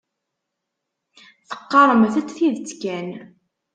Teqqaremt-d tidet kan.